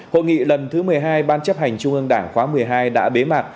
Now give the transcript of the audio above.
hội nghị lần thứ một mươi hai ban chấp hành trung ương đảng khóa một mươi hai đã bế mạc